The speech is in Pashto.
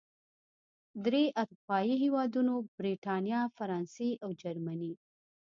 درې اروپايي هېوادونو، بریتانیا، فرانسې او جرمني